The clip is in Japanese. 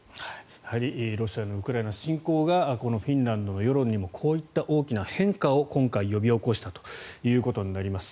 やはりロシアのウクライナ侵攻がこのフィンランドの世論にもこういった大きな変化を今回、呼び起こしたということになります。